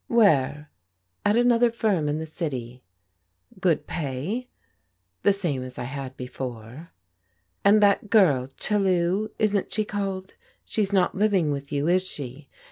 "Where?" " At another firm in the city." "Good pay?" " The same as I had before." " And that girl, Chellew isn't she called?— she's not liv ing with you, is she?